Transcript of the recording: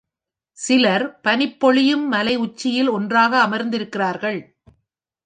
சிலர் பனிப்பொழியும் மலை உச்சியில் ஒன்றாக அமர்ந்திருக்கிறார்கள்.